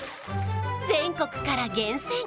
全国から厳選！